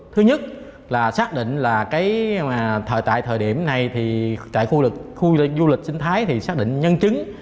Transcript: thứ nhất là xác định là tại thời điểm này thì tại khu du lịch sinh thái thì xác định nhân chứng